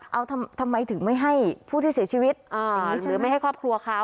เอาทำไมถึงไม่ให้ผู้ที่เสียชีวิตหรือไม่ให้ครอบครัวเขา